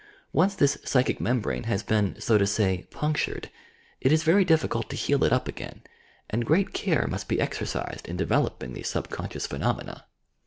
Once this psychic membrane has been, so to say, "puaclured," it is very difQeult to heal it up again, and great care must be exercised in developing these subconscious phenomena.